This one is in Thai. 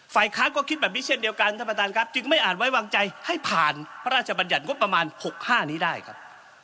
ค้างก็คิดแบบนี้เช่นเดียวกันท่านประธานครับจึงไม่อาจไว้วางใจให้ผ่านพระราชบัญญัติงบประมาณ๖๕นี้ได้ครับ